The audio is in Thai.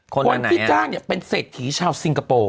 คนที่จ้างเนี่ยเป็นเศรษฐีชาวสิงคโปร์